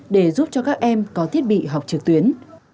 để giúp cho các em có thiết bị học trực tuyến